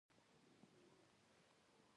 دښمن تل د شر لارې لټوي